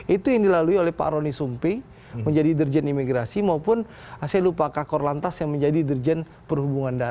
itu yang dilalui oleh pak roni sumpi menjadi dirjen imigrasi maupun saya lupa kak korlantas yang menjadi dirjen perhubungan darat